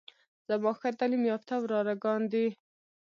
زما ښه تعليم يافته وراره ګان دي.